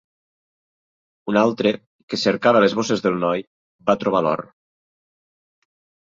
Un altre, que cercava a les bosses del noi, va trobar l'or.